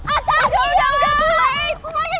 ata gia udah ke wait